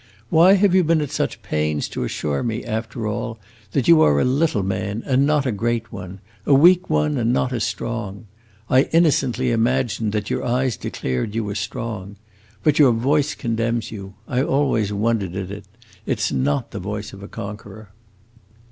Why have you been at such pains to assure me, after all, that you are a little man and not a great one, a weak one and not a strong? I innocently imagined that your eyes declared you were strong. But your voice condemns you; I always wondered at it; it 's not the voice of a conqueror!"